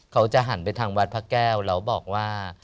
เขาจะหันไปทางวัดพระแก้วแล้วบอกว่า